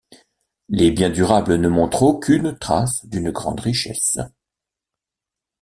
Les biens durables ne montrent aucune trace d'une grande richesse.